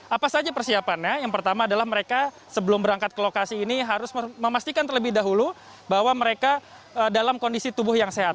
apa saja persiapannya yang pertama adalah mereka sebelum berangkat ke lokasi ini harus memastikan terlebih dahulu bahwa mereka dalam kondisi tubuh yang sehat